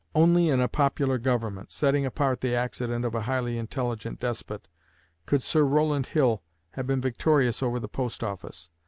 Only in a popular government (setting apart the accident of a highly intelligent despot) could Sir Rowland Hill have been victorious over the Post office.